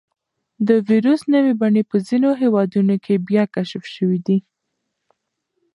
د وېروس نوې بڼې په ځینو هېوادونو کې بیا کشف شوي دي.